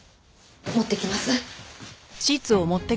持ってきます。